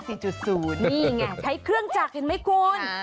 นี่นี่อย่างนี่ใช้เครื่องจักรเห็นไหมคุณ